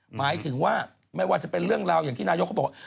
หมายถึงว่าไม่ว่าจะเป็นเรื่องราวอย่างที่นายกเขาบอก